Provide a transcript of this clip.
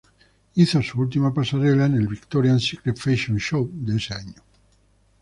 Hizo su última pasarela en el Victoria's Secret Fashion Show de ese año.